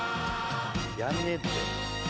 やんねえって。